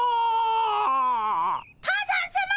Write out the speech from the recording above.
多山さま